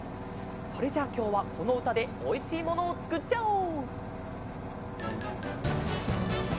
それじゃあきょうはこのうたでおいしいものをつくっちゃおう！